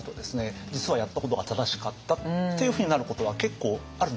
実はやったことが正しかったっていうふうになることは結構あるんですよ。